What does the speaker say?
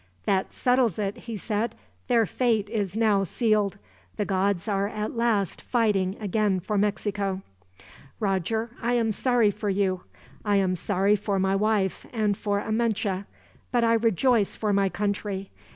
"That settles it," he said. "Their fate is now sealed. The gods are at last fighting again for Mexico. "Roger, I am sorry for you, I am sorry for my wife, and for Amenche; but I rejoice for my country.